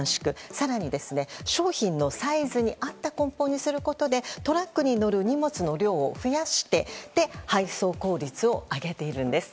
更に、商品のサイズに合った梱包にすることでトラックに載る荷物の量を増やして配送効率を上げているんです。